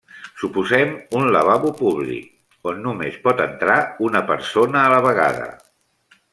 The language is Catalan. Suposem un lavabo públic, on només pot entrar una persona a la vegada.